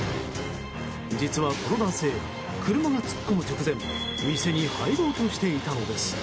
実は、この男性車が突っ込む直前店に入ろうとしていたのです。